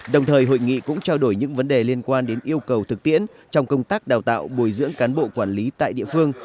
đồng thời hội nghị cũng trao đổi những vấn đề liên quan đến yêu cầu thực tiễn trong công tác đào tạo bồi dưỡng cán bộ quản lý tại địa phương